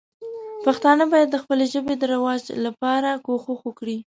پښتانه باید د خپلې ژبې د رواج لپاره کوښښ وکړي.